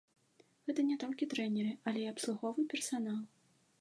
Гэта не толькі трэнеры, але і абслуговы персанал.